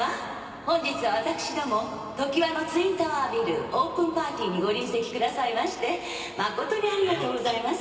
本日は私どもＴＯＫＩＷＡのツインタワービルオープンパーティーにご臨席くださいまして誠にありがとうございます。